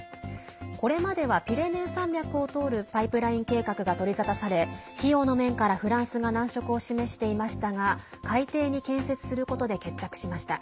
これまではピレネー山脈を通るパイプライン計画が取り沙汰され費用の面からフランスが難色を示していましたが海底に建設することで決着しました。